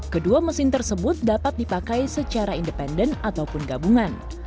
kedua mesin tersebut dapat dipakai secara independen ataupun gabungan